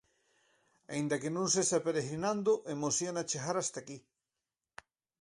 Aínda que non sexa peregrinando, emociona chegar ata aquí.